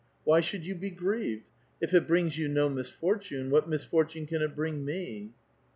Why should you be grieved? If it brings you no misfortune, what misfortune can it bring me?"